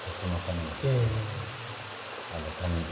種火